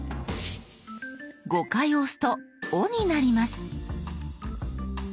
５回押すと「お」になります。